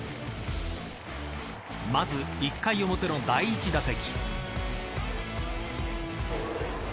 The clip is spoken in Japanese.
まず１回表の第１打席。